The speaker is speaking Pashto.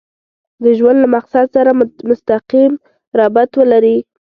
د ژوند له مقصد سره مسقيم ربط ولري.